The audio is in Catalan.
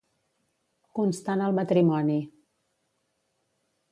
Constant el matrimoni.